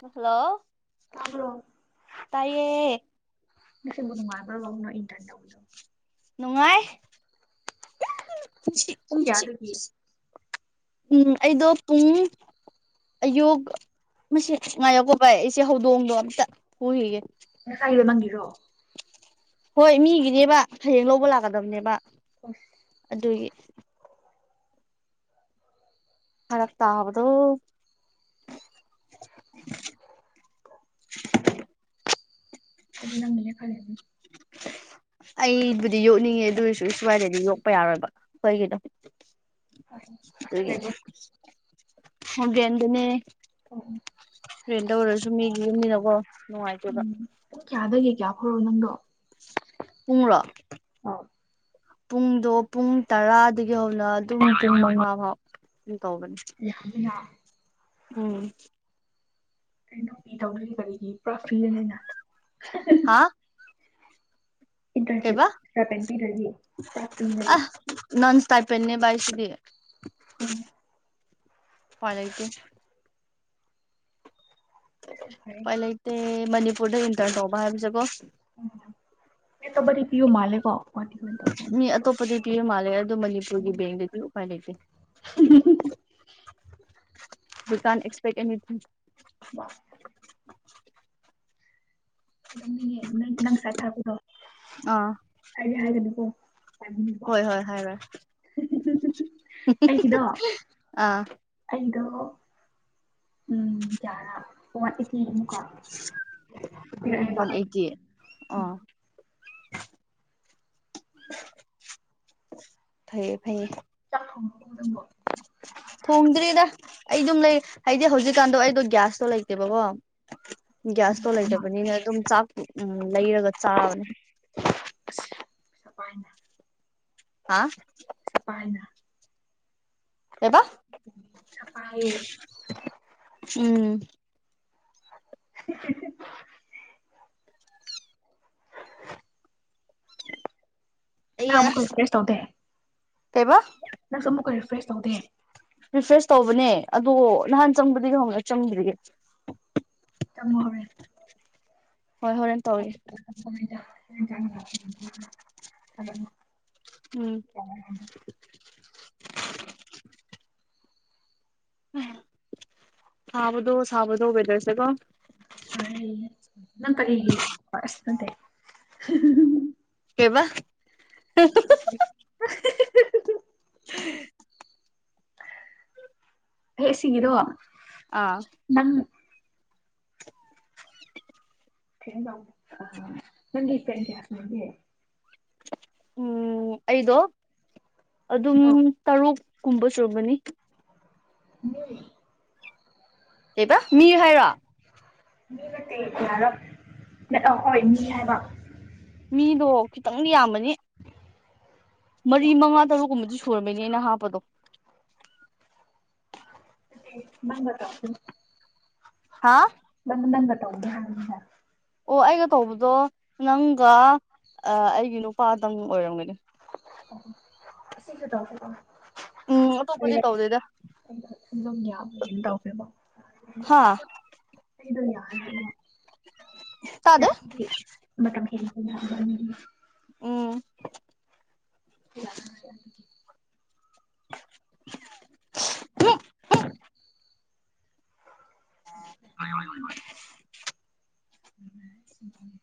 Hello ꯇꯥꯕ꯭ꯔꯣ ꯇꯥꯏꯌꯦ ꯉꯁꯤꯕꯨ ꯅꯨꯡꯉꯥꯏꯕ꯭ꯔꯕ [unintelligible] ꯅꯨꯡꯉꯥꯏ ꯄꯨꯡ ꯀꯌꯥꯗꯒꯤ ꯎꯝ ꯑꯩꯗꯣ ꯄꯨꯡ ꯑꯌꯨ ꯃꯁꯤꯡ ꯉꯥꯏꯌꯀꯣ ꯚꯥꯏ ꯑꯩꯁꯦ ꯍꯧꯗꯣꯡꯗꯣ ꯑꯝꯇ ꯄꯨꯈꯤꯒꯦ ꯃ ꯁꯥꯏ ꯃꯪꯒꯤ ꯔꯣ ꯍꯣꯏ ꯃꯤꯒꯤꯅꯦꯕ ꯍꯌꯦꯡ ꯂꯧꯕ ꯂꯥꯛꯀꯗꯕꯅꯦꯕ ꯑꯁ ꯑꯗꯨꯒꯤ ꯐꯔꯛꯇ ꯇꯥꯕꯗꯣ [unintelligible] ꯑ ꯂꯝꯕ ꯂꯩꯦ ꯈꯂꯅꯤ ꯑꯩꯕꯨꯗꯤ ꯌꯣꯛꯅꯤꯡꯉꯦ ꯑꯗꯨꯔꯁꯨ ꯑꯩ ꯁ꯭ꯋꯥꯏꯗꯗꯤ ꯌꯣꯛꯄ ꯌꯥꯔꯣꯏꯕ ꯀꯣꯏꯒꯤꯅꯣ ꯑꯗꯨꯦ ꯑꯕꯗꯅꯦ ꯑꯣ ꯐ꯭ꯔꯦꯟꯇ ꯑꯣꯏꯔꯁꯨ ꯃꯤꯒꯤ ꯌꯨꯝꯅꯤꯅꯀꯣ ꯅꯨꯡꯉꯥꯏꯇꯦꯕ ꯍꯣꯔꯣ ꯅꯪꯗꯣ ꯄꯨꯡꯂꫭ꯫ ꯄꯨꯡꯗꯣ ꯄꯨꯡ ꯇꯔꯥꯗꯒꯤ ꯍꯧꯅ ꯑꯗꯨꯝ ꯄꯨꯡ ꯃꯉꯥꯥꯎ ꯂꯥꯜꯂꯦꯅ ꯎꯝ ꯀꯩꯅꯣ ꯃꯤ ꯇꯧꯗ꯭ꯔꯤ ꯀꯔꯤꯒꯤ ꯄꯨꯔꯥ ꯐꯤꯔꯅꯤꯅ ꯍꯥꯥ ꯏꯟꯇꯔꯟꯁꯤꯞ ꯀꯩꯕꯥ ꯏꯁꯇꯥꯏꯄꯦꯟ ꯄꯤꯗ꯭ꯔꯗꯤ ꯄꯨꯔꯥ ꯐ꯭ꯔꯤꯅꯦꯕ ꯑꯥ ꯅꯪ ꯏꯁꯇꯄꯦꯟꯅꯦꯕ ꯏꯁꯗꯤ ꯑꯣ ꯎꯄꯥꯏꯂꯩꯇꯦ꯫ ꯑꯗꯨꯁꯨ ꯐꯩꯅꯦ ꯎꯄꯥꯏꯂꯩꯇꯦ꯫ ꯃꯅꯤꯄꯨꯔꯗ ꯏꯟꯇꯔꯟ ꯇꯧꯕ ꯍꯥꯏꯕꯁꯦꯕꯀꯣ ꯃꯤ ꯑꯇꯣꯞꯄꯗꯤ ꯄꯤꯕ ꯃꯥꯜꯂꯦ꯫ ꯀꯣ ꯃꯤ ꯑꯇꯣꯞꯄꯗꯤ ꯄꯤ ꯃꯥꯂꯦ ꯑꯗꯨ ꯃꯅꯤꯄꯨꯔꯒꯤ ꯎꯝ ꯕꯦꯡꯛꯗꯗꯤ ꯎꯄꯥꯏ ꯂꯩꯇꯦ ꯗꯨꯀꯥꯟ ꯑꯦꯛꯁꯄꯦꯛ ꯏ [unintelligible] [inaudible] ꯈꯪꯅꯤꯡꯉꯦ ꯅꯪ ꯅꯪꯉꯁꯥꯢ ꯊꯥꯔꯛꯕꯗꯣ ꯑꯥ ꯍꯥꯏꯗꯤ ꯍꯥꯏꯒꯅꯤꯀꯣ ꯍꯣꯏ ꯍꯣꯏ ꯍꯥꯏꯔꯣꯏ ꯑꯩꯗꯣ ꯑꯥ ꯑꯩ ꯑꯗꯣ ꯎꯝ ꯀꯌꯥꯔ ꯋꯥꯟꯑꯦꯇꯤ ꯋꯥꯟ ꯑꯦꯇꯤ ꯎꯝ ꯑꯥ ꯐꯩꯌꯦ ꯐꯩꯌꯦ ꯆꯥꯛ ꯊꯣꯡꯈꯔꯕꯣ ꯅꯪꯕꯣ꯫ ꯊꯣꯡꯗ꯭ꯔꯤꯗ ꯑꯩ ꯑꯗꯨꯝ ꯂꯩ ꯍꯥꯏꯗꯤ ꯍꯧꯖꯤꯛꯀꯥꯟꯗꯣ ꯑꯩꯗꯣ ꯒ꯭ꯌꯥꯁꯇꯣ ꯂꯩꯇꯦꯕꯀꯣ ꯒ꯭ꯌꯥꯁꯇꯣ ꯀꯔꯤꯒꯤꯅꯣ ꯂꯩꯇꯕꯅꯤꯅ ꯑꯗꯨꯝ ꯆꯥꯛ ꯎ ꯂꯩꯔꯒ ꯆꯥꯕꯅꯦ ꯄꯩꯁ ꯄꯥꯏꯅ꯫ ꯑꯥ ꯍꯥꯏꯅ ꯑꯦꯕꯥ ꯁꯄꯥꯏꯌꯦ ꯎꯝ [inaudible] ꯅ ꯑꯩꯌꯥ ꯑꯃꯨꯛꯀ ꯔꯔꯤꯐꯋꯦꯁ ꯇꯧꯗꯦ ꯀꯩꯕ ꯅꯨꯀ ꯐ꯭ꯔꯦꯁ ꯇꯧꯗꯦ ꯔꯤꯐ꯭ꯔꯦꯁ ꯇꯧꯕꯅꯦ ꯑꯗꯣ ꯅꯍꯥꯟ ꯆꯪꯕꯗꯒꯤ ꯍꯧꯛꯅ ꯆꯪꯈꯤꯒꯦ ꯇꯃꯨ ꯍꯧꯔꯦ ꯍꯣꯏ ꯍꯣꯔꯦꯟ ꯇꯧꯔꯦ ꯖ ꯍꯂ [inaudible] ꯎꯝ ꯁꯥꯕꯗꯣ ꯁꯥꯕꯗꯣꯋꯦꯗꯔꯁꯦꯀꯣ ꯁꯥꯏꯌꯦ ꯍꯦ ꯍꯤ ꯀꯩꯕꯥ [inaudible] ꯊꯦ ꯍꯦ ꯁꯤꯡꯒꯤꯗꯣ ꯑꯥ ꯑ ꯅꯪ ꯒꯤ ꯁꯦꯟ ꯀꯌꯥ ꯆꯪꯒꯦ ꯎꯝ ꯑꯩꯗꯣ ꯑꯗꯨꯝ ꯑꯁꯤꯗꯣ ꯇꯔꯨꯛ ꯀꯨꯝꯕꯁꯨꫪꯝꯕꯅꯤ ꯃꯨꯏ ꯀꯩꯕ ꯃꯤꯍꯥꯏꯔꯣ ꯃꯤ ꯅꯠꯇꯦ ꯑ ꯍꯣꯏ ꯃꯤ ꯍꯥꯏꯕ ꯃꯤꯗꯣ ꯈꯤꯇꯪ ꯌꯥꯝꯕꯅꯤ ꯏ ꯐꯨꯔꯃꯤꯅꯤꯅ ꯍꯥꯞꯄꯗꯣ ꯅꯪꯒ ꯁꯕꯝ ꯍꯥꯥ ꯅꯪ ꯅꯪꯒ ꯇꯗꯦ ꯍꯥꯏꯃꯤꯅ ꯑꯣ ꯑꯩꯒ ꯇꯧꯕꯗꯣ ꯅꯪꯒ ꯑꯩꯒꯤ ꯅꯨꯄꯥꯗꯪ ꯑꯣꯏꯔꯝꯒꯅꯤ ꯑꯣ ꯁꯤꯁꯨ ꯇꯧ ꯎꯝ ꯑꯇꯣꯞꯄꯗꯤ ꯇꯧꯗꯦꯗ ꯑꯗꯨꯝ ꯌꯥꯝꯒꯦꯗꯤ ꯇꯧꯋꯦꯕꯣ ꯍꯥꯥ ꯅꯩꯗꯨꯝ ꯌꯥꯝꯃꯦ ꯌꯥ ꯇꯥꯗꯦ ꯃꯇꯝ ꯍꯦꯟ [inaudible] ꯎꯝ [inaudible] ꯎ ꯎ [inaudible] ꯁ ꯁꯤꯁꯤꯡꯒꯤ